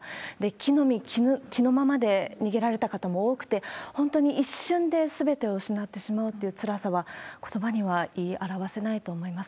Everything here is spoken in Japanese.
着のみ着のままで逃げられた方も多くて、本当に一瞬ですべてを失ってしまうっていうつらさは、ことばには言い表せないと思います。